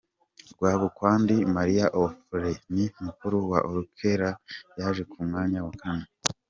Rwabukwandi Marie Ophelie ni mukuru wa Orcella, yaje ku mwanya wa kane.